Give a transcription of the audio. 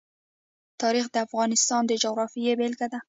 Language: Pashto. تاریخ د افغانستان د جغرافیې بېلګه ده.